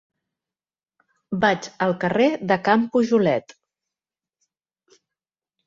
Vaig al carrer de Can Pujolet.